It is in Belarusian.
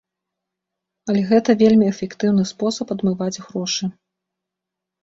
Але гэта вельмі эфектыўны спосаб адмываць грошы.